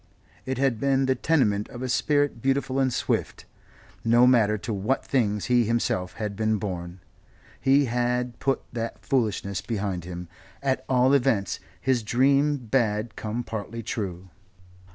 It had been the tenement of a spirit beautiful and swift. No matter to what things he himself had been born he had put that foolishness behind him at all events his dream had come partly true.